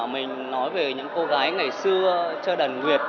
mình nói về những cô gái ngày xưa chơi đàn nguyệt